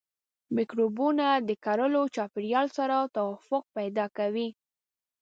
مکروبونه د کرلو چاپیریال سره توافق پیدا کوي.